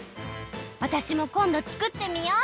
わたしもこんどつくってみよう！